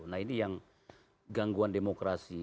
nah ini yang gangguan demokrasi